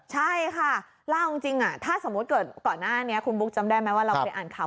ใช่ค่ะเล่าจริงถ้าสมมุติเกิดก่อนหน้านี้คุณบุ๊คจำได้ไหมว่าเราเคยอ่านข่าว